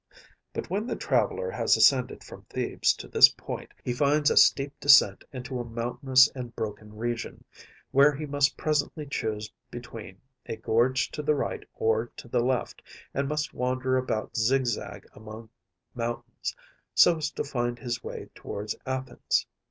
But when the traveller has ascended from Thebes to this point he finds a steep descent into a mountainous and broken region, where he must presently choose between a gorge to the right or to the left, and must wander about zigzag among mountains, so as to find his way toward Athens.